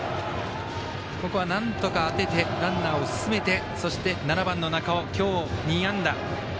ここはなんとか当ててランナーを進めてそして７番の中尾、今日２安打。